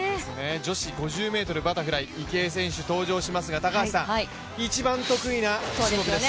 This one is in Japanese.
女子５０ｍバタフライ池江選手登場しますが、一番得意な種目です。